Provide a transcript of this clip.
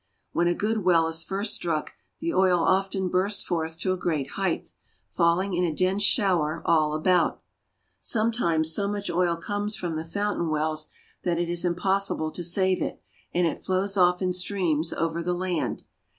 When a good well is first struck, the oil often bursts forth to a great height, falling in a dense shower all I >■■■■ mKm ..."— a forest of black towers." about. Sometimes so much oil comes from the foun tain wells that it is impossible to save it, and it flows off in streams over the land.